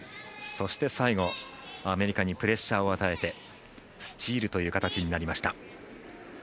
そして最後、アメリカにプレッシャーを与えてスチールという形になりました。